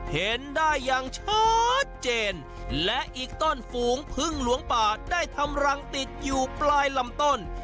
เห็นได้อย่างชัดเจนและอีกต้นฝูงพึ่งหลวงป่าได้ทำรังติดอยู่ปลายลำต้น